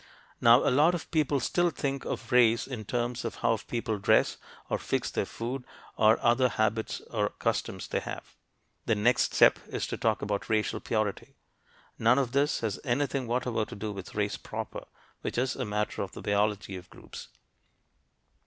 Now a lot of people still think of race in terms of how people dress or fix their food or of other habits or customs they have. The next step is to talk about racial "purity." None of this has anything whatever to do with race proper, which is a matter of the biology of groups.